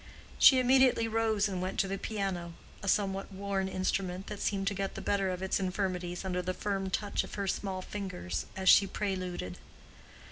She immediately rose and went to the piano—a somewhat worn instrument that seemed to get the better of its infirmities under the firm touch of her small fingers as she preluded.